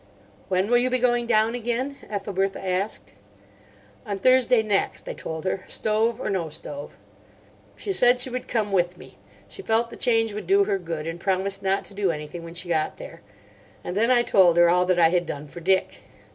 "When will you be going down again?" Ethelbertha asked. "On Thursday next," I told her; "stove or no stove." She said she would come with me. She felt the change would do her good, and promised not to do anything when she got there. And then I told her all that I had done for Dick.